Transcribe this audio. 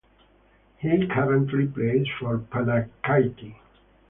He currently plays for Panachaiki.